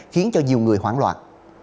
khiến cho nhiều người hoảng loạn